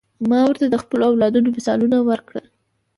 ما ورته د خپلو اولادونو مثالونه ورکړل.